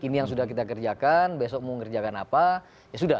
ini yang sudah kita kerjakan besok mau ngerjakan apa ya sudah